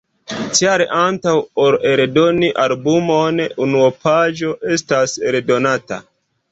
Tial, antaŭ ol eldoni albumon, unuopaĵo estas eldonata.